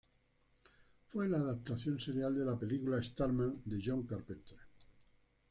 Fue la adaptación serial de la película Starman de John Carpenter.